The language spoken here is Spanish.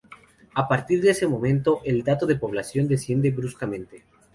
A partir de ese momento, el dato de población desciende bruscamente.